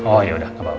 oh yaudah gak apa apa